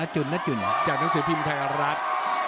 จากหนังสือพิมพ์ไทยรัฐ